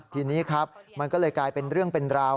ทีนี้ครับมันก็เลยกลายเป็นเรื่องเป็นราว